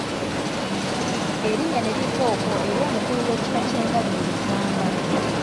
Erinnya ne liva okwo era omukulu w’ekika ky’engabi ye Nsamba.